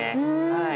はい。